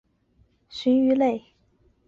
焦氏短稚鳕为深海鳕科短稚鳕属的鱼类。